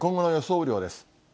雨量です。